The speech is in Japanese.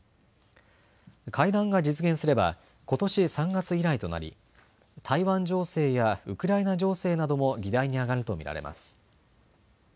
会談が実現すればことし３月以来となり台湾情勢やウクライナ情勢なども議題に上がると見られます。